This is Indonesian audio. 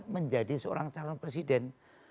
menjadi seorang calon presiden